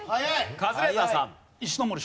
カズレーザーさん。